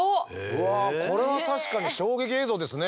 うわこれは確かに衝撃映像ですね。